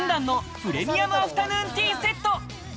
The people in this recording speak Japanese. ３段のプレミアムアフタヌーンティーセット。